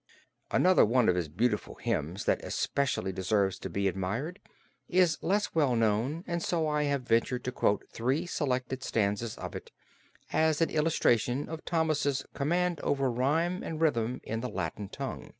Another one of his beautiful hymns that especially deserves to be admired, is less well known and so I have ventured to quote three selected stanzas of it, as an illustration of Thomas's command over rhyme and rhythm in the Latin tongue.